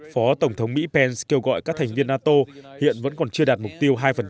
phó tổng thống mỹ pence kêu gọi các thành viên nato hiện vẫn còn chưa đạt mục tiêu hai